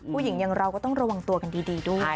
อย่างเราก็ต้องระวังตัวกันดีด้วย